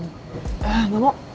eh gak mau